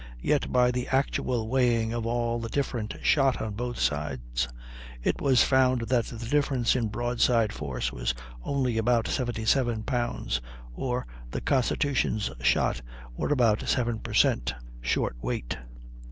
Yet by the actual weighing of all the different shot on both sides it was found that the difference in broadside force was only about 77 pounds, or the Constitution's shot were about 7 per cent, short weight.